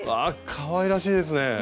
かわいらしいですね。